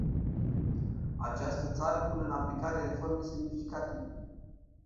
Această țară pune în aplicare reforme semnificative.